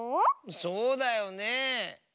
そうだよねえ。